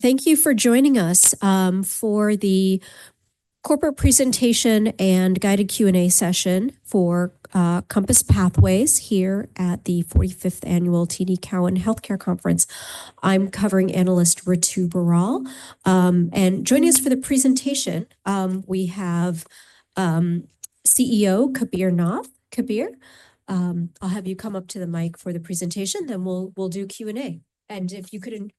Thank you for joining us for the corporate presentation and guided Q&A session for Pathways here at the 45th Annual TD Cowen Healthcare Conference. I'm covering analyst Ritu Baral, and joining us for the presentation, we have CEO Kabir Nath. Kabir, I'll have you come up to the mic for the presentation, then we'll do Q&A. If you could,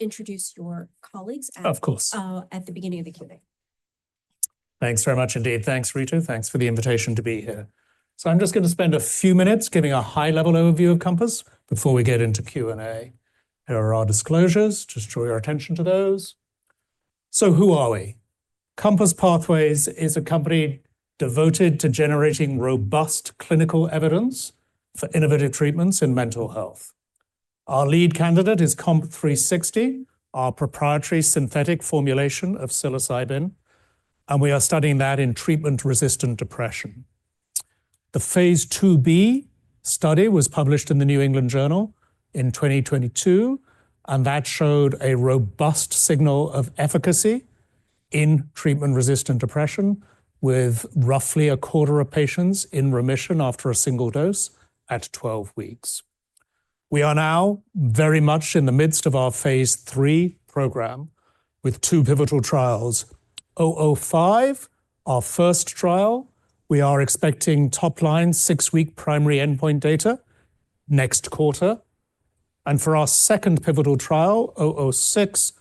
introduce your colleagues at. Of course. at the beginning of the Q&A. Thanks very much indeed. Thanks, Ritu. Thanks for the invitation to be here. I am just going to spend a few minutes giving a high-level overview of Compass Pathways before we get into Q&A. There are our disclosures. Just draw your attention to those. Who are we? Compass Pathways is a company devoted to generating robust clinical evidence for innovative treatments in mental health. Our lead candidate is COMP360, our proprietary synthetic formulation of psilocybin, and we are studying that in treatment-resistant depression. The phase II-B study was published in the New England Journal in 2022, and that showed a robust signal of efficacy in treatment-resistant depression, with roughly a quarter of patients in remission after a single dose at 12 weeks. We are now very much in the midst of our phase III program with two pivotal trials. COMP005, our first trial, we are expecting top-line six-week primary endpoint data next quarter. For our second pivotal trial, COMP005,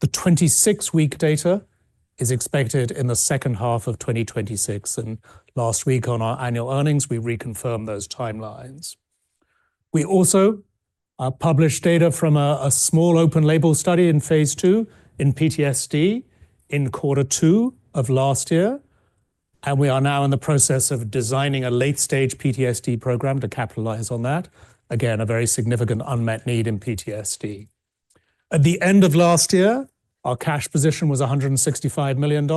the 26-week data is expected in the second half of 2026. Last week on our annual earnings, we reconfirmed those timelines. We also published data from a small open-label study in phase II in PTSD in quarter two of last year, and we are now in the process of designing a late-stage PTSD program to capitalize on that. Again, a very significant unmet need in PTSD. At the end of last year, our cash position was $165 million.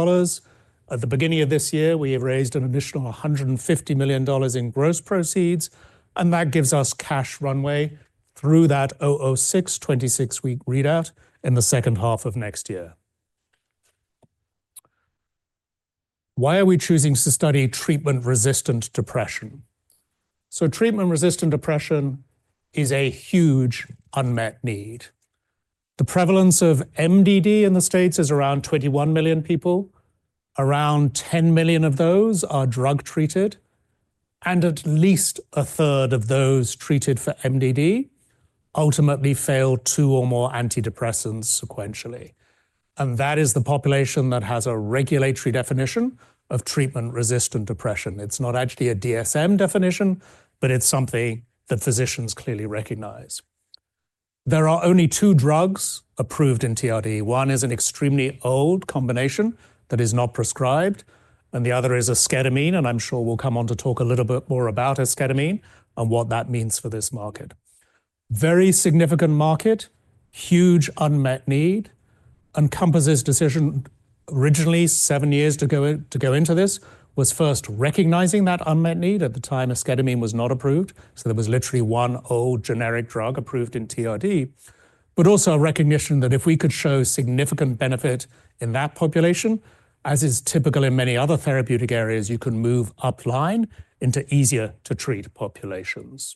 At the beginning of this year, we have raised an additional $150 million in gross proceeds, and that gives us cash runway through that COMP006, 26-week readout in the second half of next year. Why are we choosing to study treatment-resistant depression? Treatment-resistant depression is a huge unmet need. The prevalence of MDD in the States is around 21 million people. Around 10 million of those are drug-treated, and at least a third of those treated for MDD ultimately fail two or more antidepressants sequentially. That is the population that has a regulatory definition of treatment-resistant depression. It's not actually a DSM definition, but it's something that physicians clearly recognize. There are only two drugs approved in TRD. One is an extremely old combination that is not prescribed, and the other is esketamine, and I'm sure we'll come on to talk a little bit more about esketamine and what that means for this market. Very significant market, huge unmet need. Compass's decision originally, seven years to go into this, was first recognizing that unmet need at the time esketamine was not approved. There was literally one old generic drug approved in TRD, but also a recognition that if we could show significant benefit in that population, as is typical in many other therapeutic areas, you can move upline into easier-to-treat populations.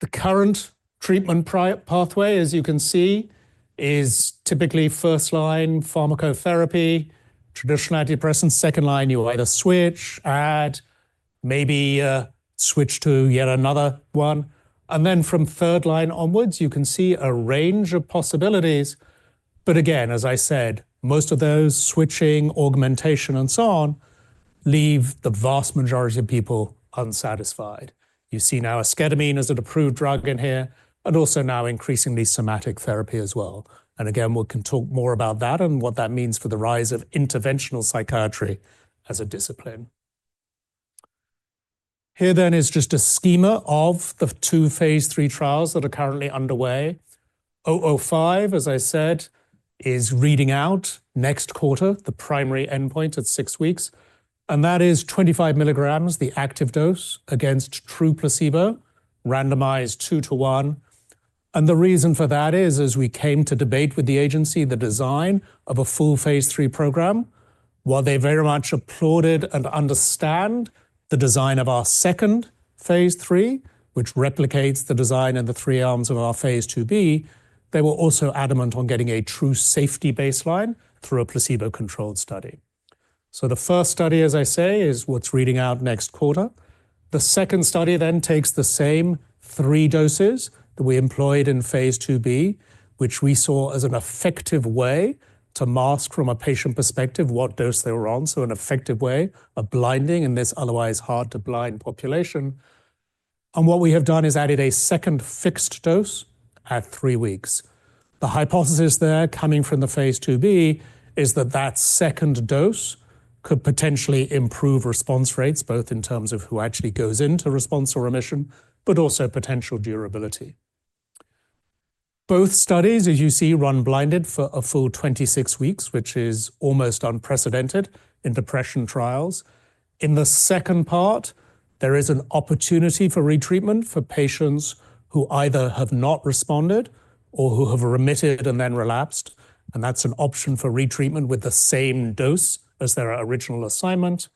The current treatment pathway, as you can see, is typically first-line pharmacotherapy, traditional antidepressants, second-line, you either switch, add, maybe switch to yet another one. From third-line onwards, you can see a range of possibilities. Again, as I said, most of those switching, augmentation, and so on leave the vast majority of people unsatisfied. You see now esketamine as an approved drug in here, and also now increasingly somatic therapy as well. Again, we can talk more about that and what that means for the rise of interventional psychiatry as a discipline. Here then is just a schema of the two phase III trials that are currently underway. COMP005, as I said, is reading out next quarter, the primary endpoint at six weeks. That is 25 mg, the active dose, against true placebo, randomized two to one. The reason for that is, as we came to debate with the agency, the design of a full phase III program. While they very much applauded and understand the design of our second phase III, which replicates the design and the three arms of our phase II-B, they were also adamant on getting a true safety baseline through a placebo-controlled study. The first study, as I say, is what's reading out next quarter. The second study then takes the same three doses that we employed in phase II-B, which we saw as an effective way to mask from a patient perspective what dose they were on, so an effective way of blinding in this otherwise hard-to-blind population. What we have done is added a second fixed dose at three weeks. The hypothesis there coming from the phase II-B is that that second dose could potentially improve response rates, both in terms of who actually goes into response or remission, but also potential durability. Both studies, as you see, run blinded for a full 26 weeks, which is almost unprecedented in depression trials. In the second part, there is an opportunity for retreatment for patients who either have not responded or who have remitted and then relapsed. That is an option for retreatment with the same dose as their original assignment.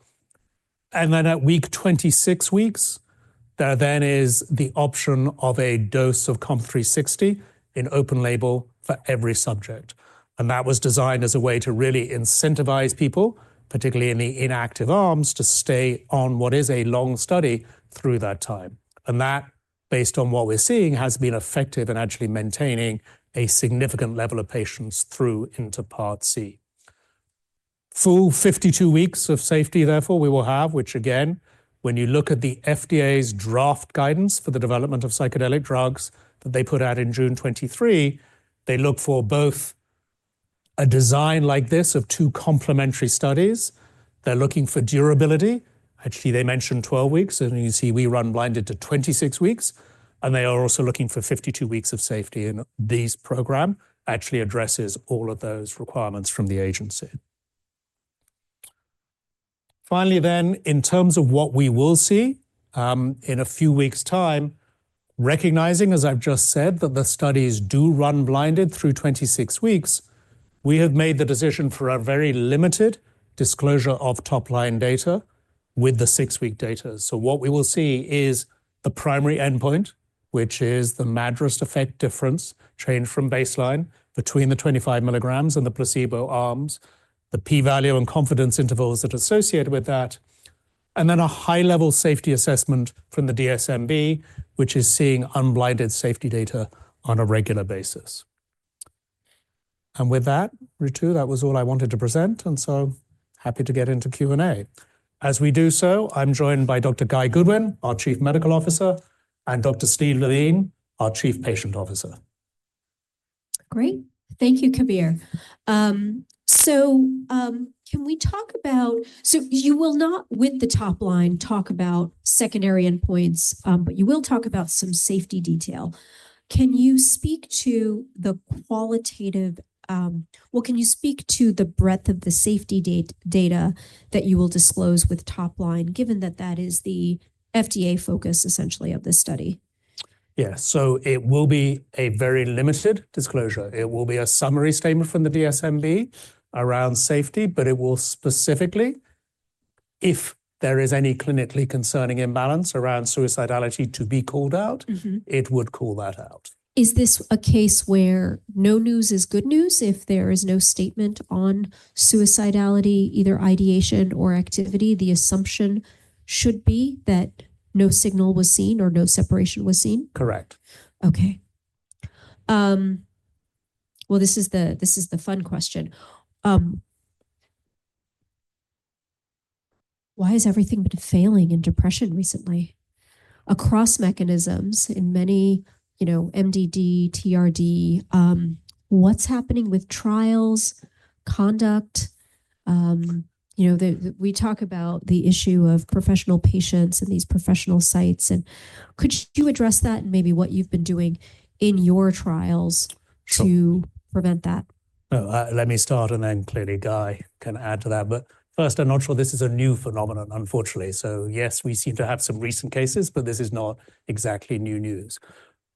At week 26, there then is the option of a dose of COMP360 in open label for every subject. That was designed as a way to really incentivize people, particularly in the inactive arms, to stay on what is a long study through that time. That, based on what we're seeing, has been effective in actually maintaining a significant level of patients through into Part C. Full 52 weeks of safety, therefore, we will have, which again, when you look at the FDA's draft guidance for the development of psychedelic drugs that they put out in June 2023, they look for both a design like this of two complementary studies. They're looking for durability. Actually, they mention 12 weeks, and you see we run blinded to 26 weeks. They are also looking for 52 weeks of safety in these programs. Actually addresses all of those requirements from the agency. Finally then, in terms of what we will see, in a few weeks' time, recognizing, as I've just said, that the studies do run blinded through 26 weeks, we have made the decision for a very limited disclosure of top-line data with the six-week data. What we will see is the primary endpoint, which is the MADRS effect difference changed from baseline between the 25 mg and the placebo arms, the p-value and confidence intervals that are associated with that, and then a high-level safety assessment from the DSMB, which is seeing unblinded safety data on a regular basis. With that, Ritu, that was all I wanted to present, and so happy to get into Q&A. As we do so, I'm joined by Dr. Guy Goodwin, our Chief Medical Officer, and Dr. Steve Levine, our Chief Patient Officer. Great. Thank you, Kabir. Can we talk about, you will not, with the top line, talk about secondary endpoints, but you will talk about some safety detail. Can you speak to the qualitative, can you speak to the breadth of the safety data that you will disclose with top line, given that that is the FDA focus essentially of this study? Yeah, it will be a very limited disclosure. It will be a summary statement from the DSMB around safety, but it will specifically, if there is any clinically concerning imbalance around suicidality to be called out, it would call that out. Is this a case where no news is good news? If there is no statement on suicidality, either ideation or activity, the assumption should be that no signal was seen or no separation was seen? Correct. Okay. This is the fun question. Why has everything been failing in depression recently? Across mechanisms in many, you know, MDD, TRD, what's happening with trials, conduct? You know, we talk about the issue of professional patients and these professional sites. Could you address that and maybe what you've been doing in your trials to prevent that? Sure. Oh, let me start and then clearly Guy can add to that. First, I'm not sure this is a new phenomenon, unfortunately. Yes, we seem to have some recent cases, but this is not exactly new news.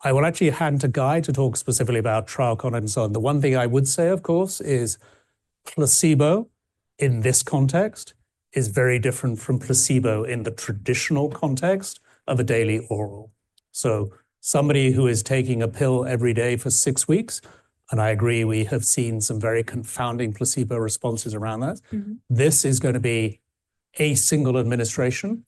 I will actually hand to Guy to talk specifically about trial con and so on. The one thing I would say, of course, is placebo in this context is very different from placebo in the traditional context of a daily oral. Somebody who is taking a pill every day for six weeks, and I agree we have seen some very confounding placebo responses around that. This is going to be a single administration,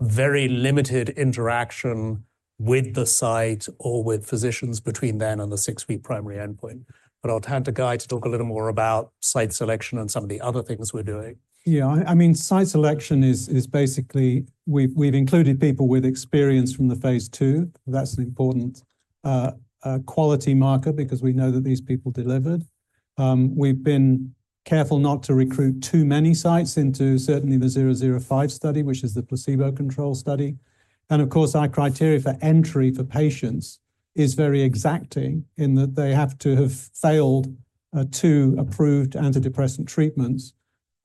very limited interaction with the site or with physicians between then and the six-week primary endpoint. I'll hand to Guy to talk a little more about site selection and some of the other things we're doing. Yeah, I mean, site selection is basically, we've included people with experience from the phase II. That's an important quality marker because we know that these people delivered. We've been careful not to recruit too many sites into certainly the COMP005 study, which is the placebo control study. Of course, our criteria for entry for patients is very exacting in that they have to have failed two approved antidepressant treatments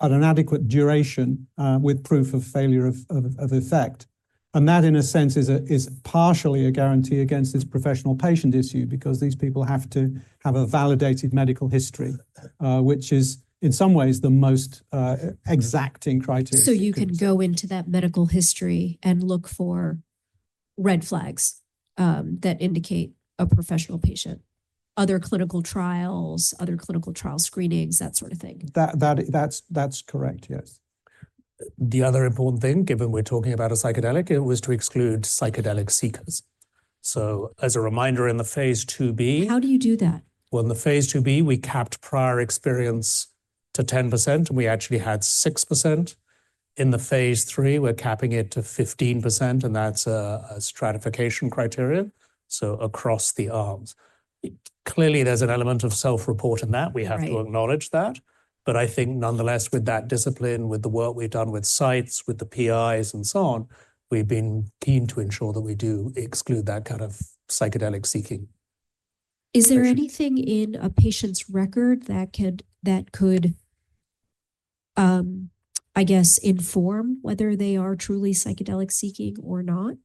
at an adequate duration with proof of failure of effect. That in a sense is partially a guarantee against this professional patient issue because these people have to have a validated medical history, which is in some ways the most exacting criteria. You can go into that medical history and look for red flags that indicate a professional patient, other clinical trials, other clinical trial screenings, that sort of thing. That's correct, yes. The other important thing, given we're talking about a psychedelic, it was to exclude psychedelic seekers. As a reminder in the phase II-B. How do you do that? In the phase II-B, we capped prior experience to 10%, and we actually had 6%. In the phase III, we're capping it to 15%, and that's a stratification criterion. So across the arms. Clearly, there's an element of self-report in that. We have to acknowledge that. I think nonetheless, with that discipline, with the work we've done with sites, with the PIs and so on, we've been keen to ensure that we do exclude that kind of psychedelic seeking. Is there anything in a patient's record that could, I guess, inform whether they are truly psychedelic seeking or not?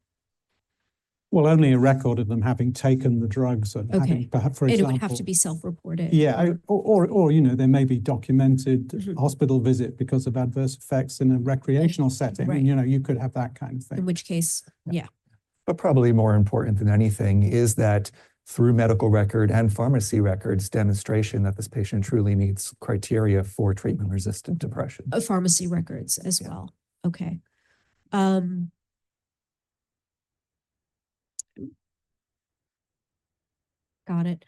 Only a record of them having taken the drugs. Okay. For example. It would have to be self-reported. Yeah, or, you know, there may be documented hospital visit because of adverse effects in a recreational setting. You know, you could have that kind of thing. In which case, yeah. Probably more important than anything is that through medical record and pharmacy records, demonstration that this patient truly meets criteria for treatment-resistant depression. Of pharmacy records as well. Okay. Got it.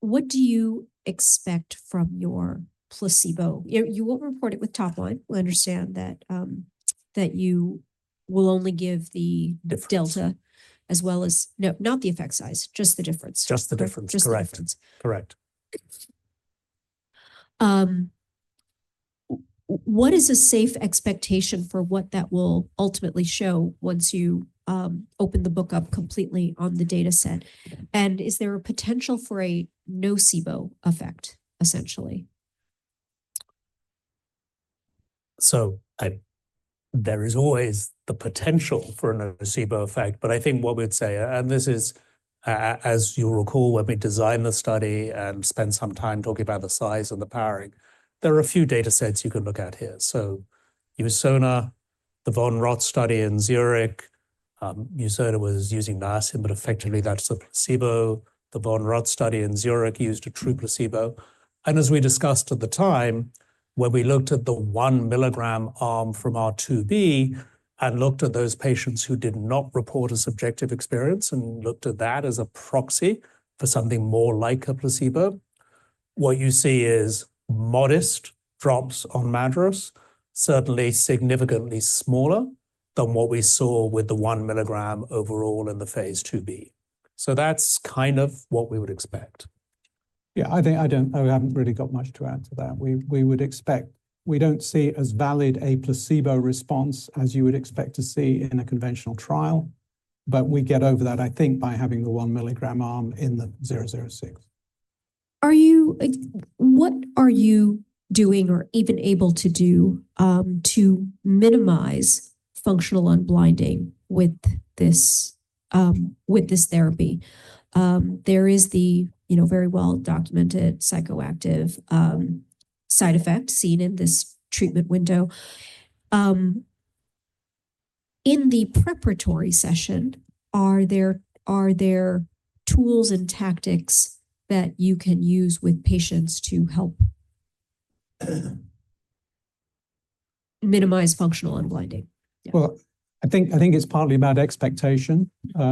What do you expect from your placebo? You will report it with top line. We understand that you will only give the delta as well as, no, not the effect size, just the difference. Just the difference, correct. Just the difference, correct. What is a safe expectation for what that will ultimately show once you open the book up completely on the dataset? Is there a potential for a nocebo effect, essentially? There is always the potential for a nocebo effect, but I think what we would say, and this is, as you'll recall, when we designed the study and spent some time talking about the size and the powering, there are a few datasets you can look at here. Usona, the Von Rotz study in Zurich, Usona was using niacin, but effectively that's the placebo. The Von Rotz study in Zurich used a true placebo. As we discussed at the time, when we looked at the one milligram arm from our II-B and looked at those patients who did not report a subjective experience and looked at that as a proxy for something more like a placebo, what you see is modest drops on MADRS, certainly significantly smaller than what we saw with the one milligram overall in the phase II-B. That is kind of what we would expect. Yeah, I think I don't, I haven't really got much to add to that. We would expect, we don't see as valid a placebo response as you would expect to see in a conventional trial, but we get over that, I think, by having the one milligram arm in the COMP006. Are you, what are you doing or even able to do, to minimize functional unblinding with this, with this therapy? There is the, you know, very well-documented psychoactive, side effect seen in this treatment window. In the preparatory session, are there, are there tools and tactics that you can use with patients to help minimize functional unblinding? I think it's partly about expectation. We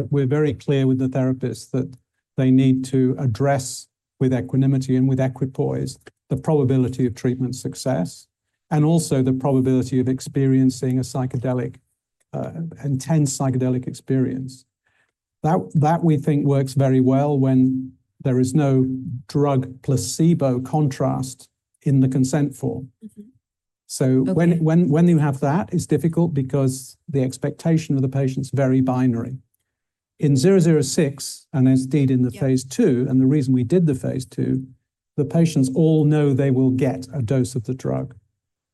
are very clear with the therapists that they need to address with equanimity and with equipoise the probability of treatment success and also the probability of experiencing a psychedelic, intense psychedelic experience. That works very well when there is no drug placebo contrast in the consent form. When you have that, it's difficult because the expectation of the patient is very binary. In COMP006, and indeed in the phase II, and the reason we did the phase II, the patients all know they will get a dose of the drug.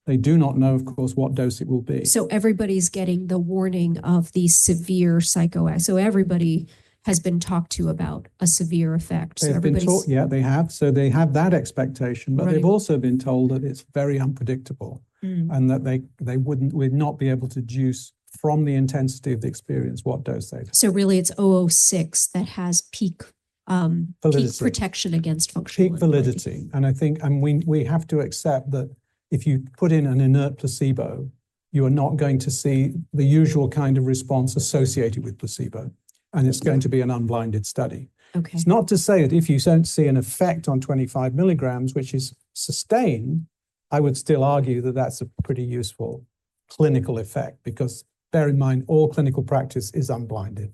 They do not know, of course, what dose it will be. Everybody's getting the warning of the severe psychoactive. Everybody has been talked to about a severe effect. They've been taught, yeah, they have. They have that expectation, but they've also been told that it's very unpredictable and that they would not be able to deduce from the intensity of the experience what dose they've had. Really it's COMP006 that has peak, protection against functional unblinding. Peak validity. I think, and we have to accept that if you put in an inert placebo, you are not going to see the usual kind of response associated with placebo. It is going to be an unblinded study. Okay. It's not to say that if you don't see an effect on 25 mg, which is sustained, I would still argue that that's a pretty useful clinical effect because bear in mind, all clinical practice is unblinded.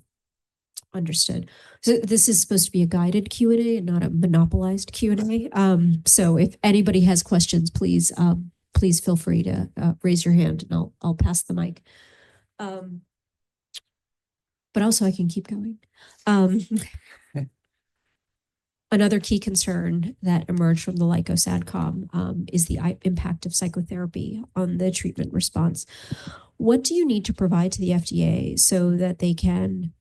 Understood. This is supposed to be a guided Q&A, not a monopolized Q&A. If anybody has questions, please, please feel free to raise your hand and I'll pass the mic. I can keep going. Another key concern that emerged from the [LICOADCOM] is the impact of psychotherapy on the treatment response. What do you need to provide to the FDA so that they can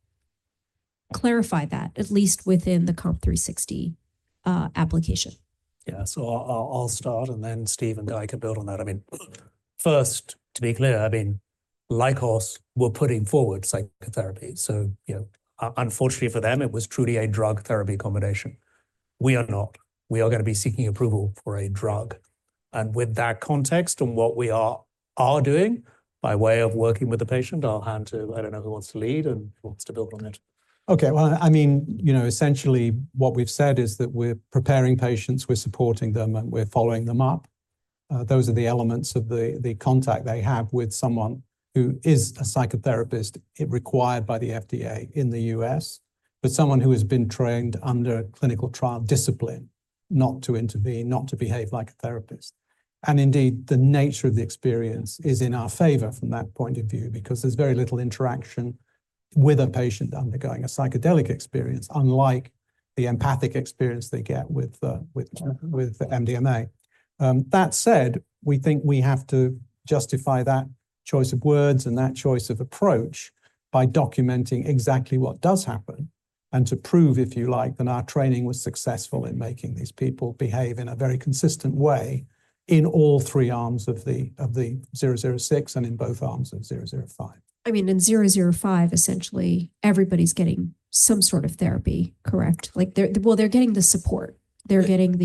clarify that, at least within the COMP360 application? Yeah, so I'll start and then Steve and Guy can build on that. I mean, first, to be clear, I mean, Lycos, we're putting forward psychotherapy. So, you know, unfortunately for them, it was truly a drug therapy combination. We are not. We are going to be seeking approval for a drug. And with that context and what we are doing by way of working with the patient, I'll hand to, I don't know who wants to lead and who wants to build on it. Okay, well, I mean, you know, essentially what we've said is that we're preparing patients, we're supporting them, and we're following them up. Those are the elements of the contact they have with someone who is a psychotherapist required by the FDA in the U.S., but someone who has been trained under clinical trial discipline, not to intervene, not to behave like a therapist. And indeed, the nature of the experience is in our favor from that point of view because there's very little interaction with a patient undergoing a psychedelic experience, unlike the empathic experience they get with MDMA. That said, we think we have to justify that choice of words and that choice of approach by documenting exactly what does happen and to prove, if you like, that our training was successful in making these people behave in a very consistent way in all three arms of the COMP006 and in both arms of COMP005. I mean, in COMP005, essentially, everybody's getting some sort of therapy, correct? Like, well, they're getting the support. They're getting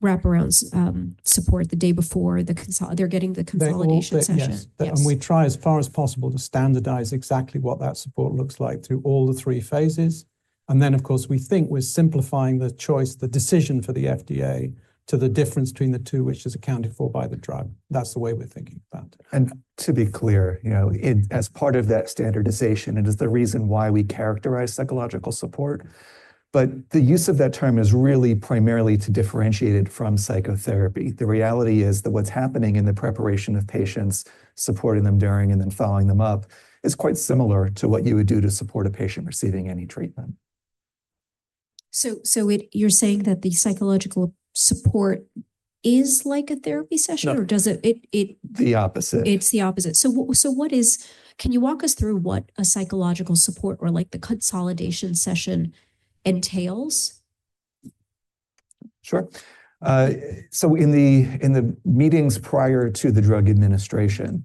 the wraparound support the day before, they're getting the consolidation session. We try as far as possible to standardize exactly what that support looks like through all the three phases. Of course, we think we're simplifying the choice, the decision for the FDA to the difference between the two, which is accounted for by the drug. That's the way we're thinking about it. To be clear, you know, as part of that standardization, it is the reason why we characterize psychological support. The use of that term is really primarily to differentiate it from psychotherapy. The reality is that what's happening in the preparation of patients, supporting them during and then following them up is quite similar to what you would do to support a patient receiving any treatment. You're saying that the psychological support is like a therapy session or does it? The opposite. It's the opposite. What is, can you walk us through what a psychological support or like the consolidation session entails? Sure. In the meetings prior to the drug administration,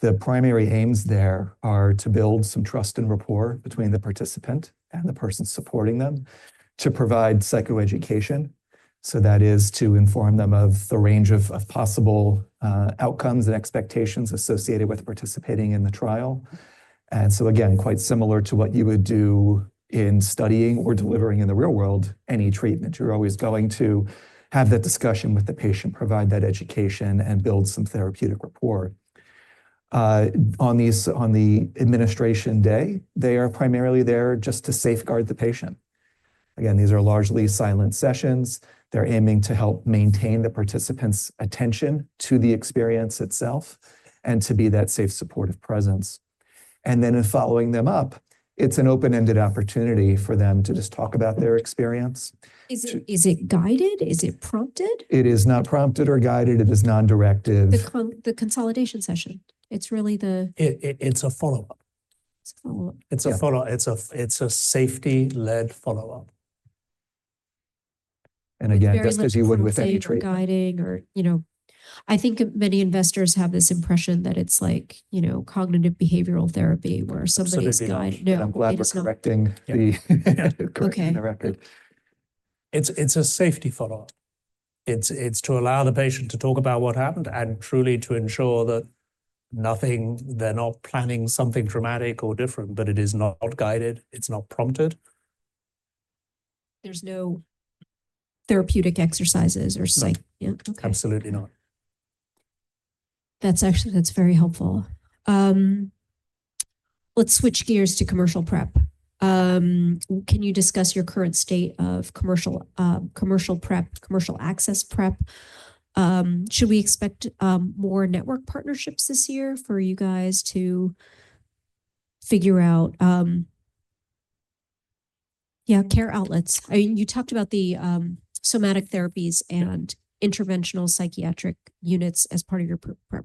the primary aims there are to build some trust and rapport between the participant and the person supporting them to provide psychoeducation. That is to inform them of the range of possible outcomes and expectations associated with participating in the trial. Again, quite similar to what you would do in studying or delivering in the real world, any treatment, you're always going to have that discussion with the patient, provide that education and build some therapeutic rapport. On the administration day, they are primarily there just to safeguard the patient. These are largely silent sessions. They're aiming to help maintain the participant's attention to the experience itself and to be that safe, supportive presence. In following them up, it's an open-ended opportunity for them to just talk about their experience. Is it guided? Is it prompted? It is not prompted or guided. It is non-directive. The consolidation session, it's really the. It's a follow-up. It's a follow-up. It's a safety-led follow-up. Just as you would with any treatment. Guiding or, you know, I think many investors have this impression that it's like, you know, cognitive behavioral therapy where somebody's guiding. I'm glad you're correcting the record. It's a safety follow-up. It's to allow the patient to talk about what happened and truly to ensure that nothing, they're not planning something dramatic or different, but it is not guided. It's not prompted. There's no therapeutic exercises or psych. Absolutely not. That's actually, that's very helpful. Let's switch gears to commercial prep. Can you discuss your current state of commercial prep, commercial access prep? Should we expect more network partnerships this year for you guys to figure out, yeah, care outlets? You talked about the somatic therapies and interventional psychiatric units as part of your prep.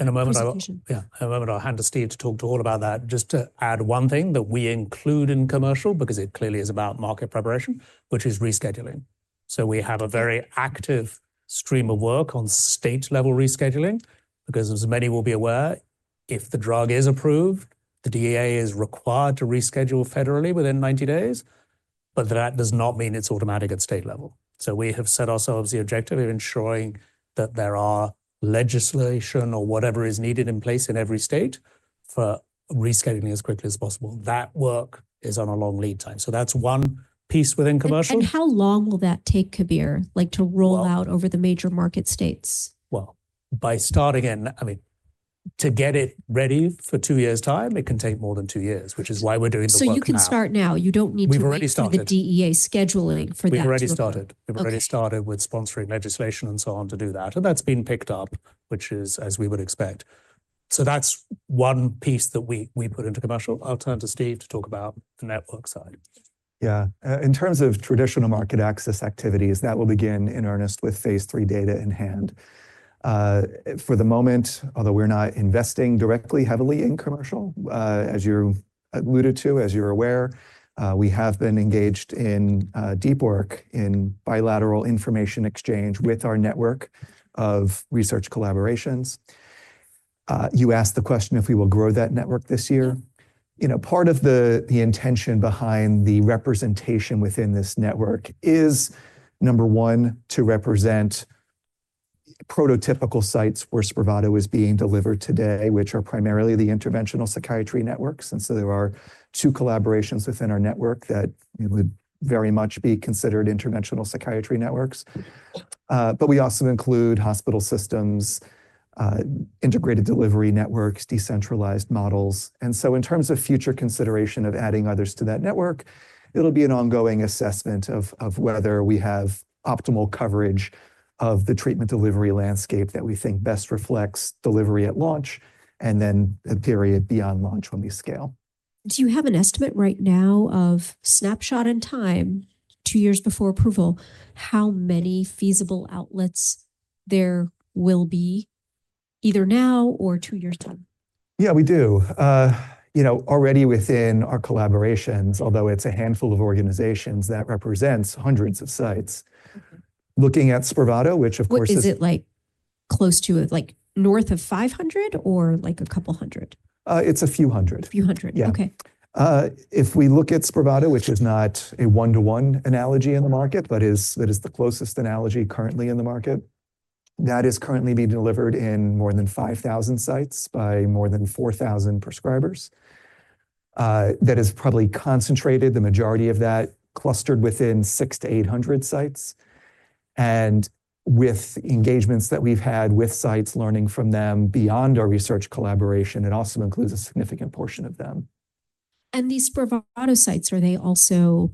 In a moment, I'll hand to Steve talk to all about that. Just to add one thing that we include in commercial, because it clearly is about market preparation, which is rescheduling. We have a very active stream of work on state-level rescheduling, because as many will be aware, if the drug is approved, the DEA is required to reschedule federally within 90 days, but that does not mean it's automatic at state level. We have set ourselves the objective of ensuring that there are legislation or whatever is needed in place in every state for rescheduling as quickly as possible. That work is on a long lead time. That's one piece within commercial. How long will that take, Kabir, like to roll out over the major market states? By starting in, I mean, to get it ready for two years' time, it can take more than two years, which is why we're doing the work now. You can start now. You don't need to wait for the DEA scheduling for that. We've already started. We've already started with sponsoring legislation and so on to do that. That's been picked up, which is as we would expect. That's one piece that we put into commercial. I'll turn to Steve to talk about the network side. Yeah, in terms of traditional market access activities, that will begin in earnest with phase III data in hand. For the moment, although we're not investing directly heavily in commercial, as you alluded to, as you're aware, we have been engaged in deep work in bilateral information exchange with our network of research collaborations. You asked the question if we will grow that network this year. You know, part of the intention behind the representation within this network is, number one, to represent prototypical sites where SPRAVATO is being delivered today, which are primarily the interventional psychiatry networks. There are two collaborations within our network that would very much be considered interventional psychiatry networks. We also include hospital systems, integrated delivery networks, decentralized models. In terms of future consideration of adding others to that network, it'll be an ongoing assessment of whether we have optimal coverage of the treatment delivery landscape that we think best reflects delivery at launch and then a period beyond launch when we scale. Do you have an estimate right now of snapshot in time, two years before approval, how many feasible outlets there will be either now or two years' time? Yeah, we do. You know, already within our collaborations, although it's a handful of organizations, that represents hundreds of sites. Looking at SPRAVATO, which of course. Is it like close to like north of 500 or like a couple hundred? It's a few hundred. A few hundred. Okay. If we look at SPRAVATO, which is not a one-to-one analogy in the market, but is the closest analogy currently in the market, that is currently being delivered in more than 5,000 sites by more than 4,000 prescribers. That is probably concentrated, the majority of that clustered within 600-800 sites. With engagements that we've had with sites, learning from them beyond our research collaboration, it also includes a significant portion of them. These SPRAVATO sites, are they also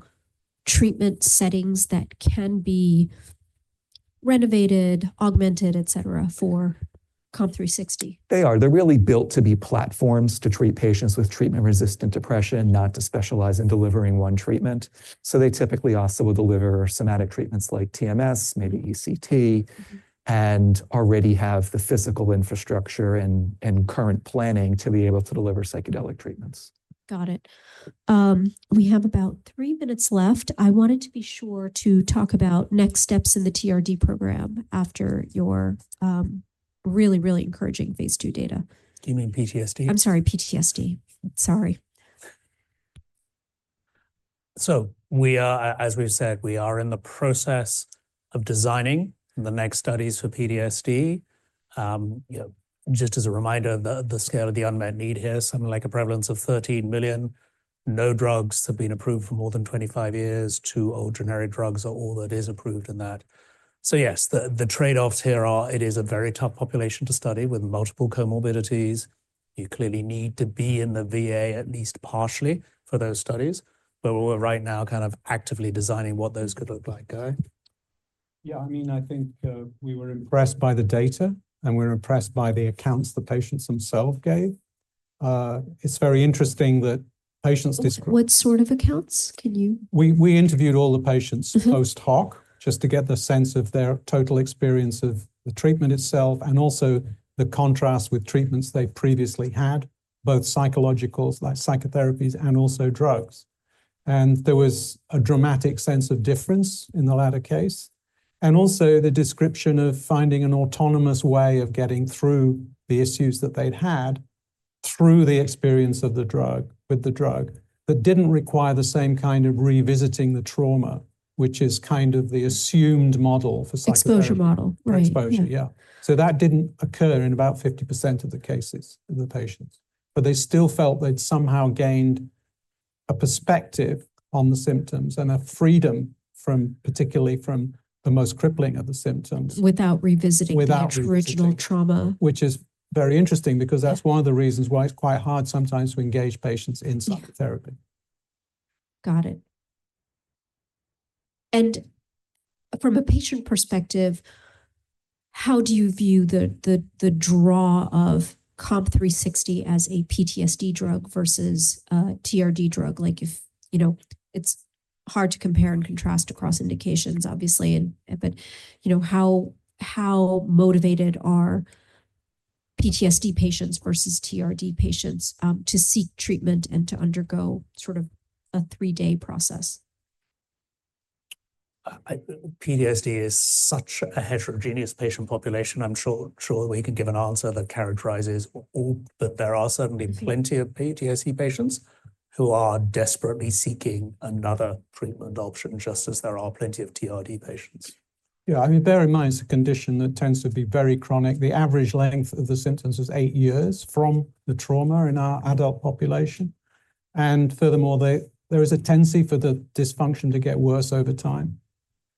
treatment settings that can be renovated, augmented, et cetera, for COMP360? They are. They're really built to be platforms to treat patients with treatment-resistant depression, not to specialize in delivering one treatment. They typically also will deliver somatic treatments like TMS, maybe ECT, and already have the physical infrastructure and current planning to be able to deliver psychedelic treatments. Got it. We have about three minutes left. I wanted to be sure to talk about next steps in the TRD program after your really, really encouraging phase II data. Do you mean PTSD? I'm sorry, PTSD. Sorry. As we've said, we are in the process of designing the next studies for PTSD. Just as a reminder, the scale of the unmet need here, something like a prevalence of 13 million, no drugs have been approved for more than 25 years, so all generic drugs are all that is approved in that. Yes, the trade-offs here are, it is a very tough population to study with multiple comorbidities. You clearly need to be in the VA at least partially for those studies, but we're right now kind of actively designing what those could look like. Yeah, I mean, I think we were impressed by the data and we're impressed by the accounts the patients themselves gave. It's very interesting that patients. What sort of accounts can you? We interviewed all the patients post hoc just to get the sense of their total experience of the treatment itself and also the contrast with treatments they've previously had, both psychologicals, like psychotherapies, and also drugs. There was a dramatic sense of difference in the latter case. Also, the description of finding an autonomous way of getting through the issues that they'd had through the experience of the drug with the drug that didn't require the same kind of revisiting the trauma, which is kind of the assumed model for psychotherapy. Exposure model. Exposure, yeah. That didn't occur in about 50% of the cases of the patients. They still felt they'd somehow gained a perspective on the symptoms and a freedom from, particularly from, the most crippling of the symptoms. Without revisiting the original trauma. Which is very interesting because that's one of the reasons why it's quite hard sometimes to engage patients in psychotherapy. Got it. From a patient perspective, how do you view the draw of COMP360 as a PTSD drug versus TRD drug? Like if, you know, it's hard to compare and contrast across indications, obviously, but you know, how motivated are PTSD patients versus TRD patients to seek treatment and to undergo sort of a three-day process? PTSD is such a heterogeneous patient population. I'm sure we can't give an answer that characterizes all, but there are certainly plenty of PTSD patients who are desperately seeking another treatment option, just as there are plenty of TRD patients. Yeah, I mean, bear in mind it's a condition that tends to be very chronic. The average length of the symptoms is eight years from the trauma in our adult population. Furthermore, there is a tendency for the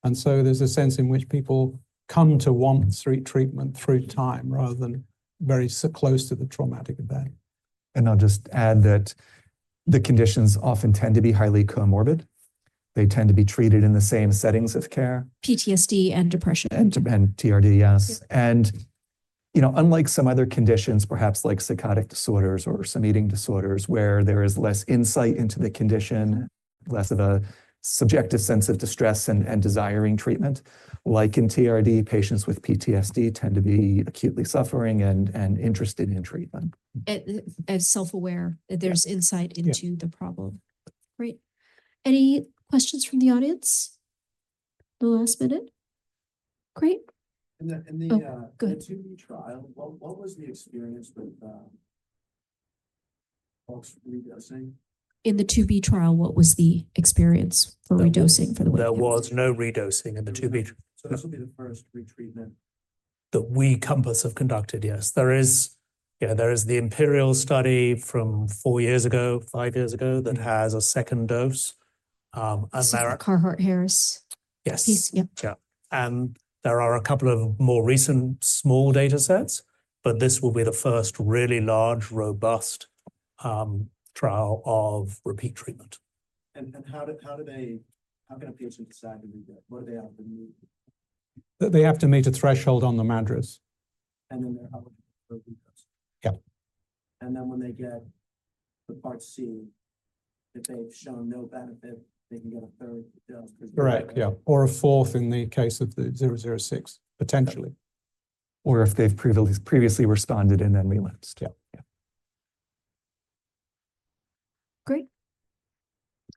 dysfunction to get worse over time. There is a sense in which people come to want treatment through time rather than very close to the traumatic event. I'll just add that the conditions often tend to be highly comorbid. They tend to be treated in the same settings of care. PTSD and depression. TRD, yes. And you know, unlike some other conditions, perhaps like psychotic disorders or some eating disorders where there is less insight into the condition, less of a subjective sense of distress and desiring treatment, like in TRD, patients with PTSD tend to be acutely suffering and interested in treatment. As self-aware that there's insight into the problem. Great. Any questions from the audience? The last minute? Great. In the II-B trial, what was the experience with folks redosing? In the II-B trial, what was the experience for redosing for the way? There was no redosing in the II-B. This will be the first retreatment. That we, Compass, have conducted, yes. There is, yeah, there is the Imperial study from four years ago, five years ago that has a second dose. Sarah Carhart-Harris piece, yep. Yeah. There are a couple of more recent small data sets, but this will be the first really large, robust trial of repeat treatment. How do they, how can a patient decide to read that? What do they have to meet? They have to meet a threshold on the MADRS. They are eligible for a re-dose. Yeah. When they get to part C, if they've shown no benefit, they can get a third dose. Correct, yeah. Or a fourth in the case of the COMP006, potentially. Or if they've previously responded and then relapsed. Yeah.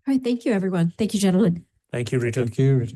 Great. All right, thank you, everyone. Thank you, gentlemen. Thank you, Richard. Thank you.